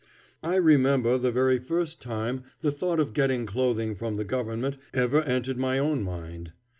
I remember the very first time the thought of getting clothing from the government ever entered my own mind.